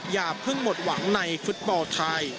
อย่าเพิ่งหมดหวังในฟุตบอลไทย